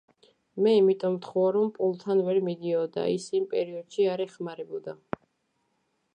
მე იმიტომ მთხოვა, რომ პოლთან ვერ მიდიოდა, ის იმ პერიოდში არ ეხმარებოდა.